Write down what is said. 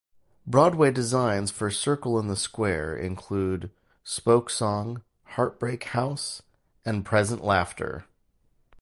Broadway designs for Circle in the Square include "Spokesong", "Heartbreak House" and "Present Laughter".